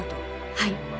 はい。